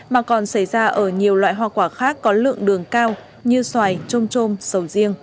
mà còn xảy ra ở nhiều loại hoa quả khác có lượng đường cao như xoài trôm trôm sầu riêng